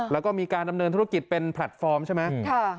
แล้วก็มีการดำเนินธุรกิจเป็นแพลตฟอร์มใช่ไหม